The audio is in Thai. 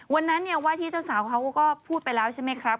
วันนั้นเนี่ยว่าที่เจ้าสาวเขาก็พูดไปแล้วใช่ไหมครับ